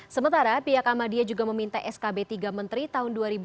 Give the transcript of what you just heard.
sementara pihak ahmadiyah juga meminta skb tiga menteri tahun dua ribu dua puluh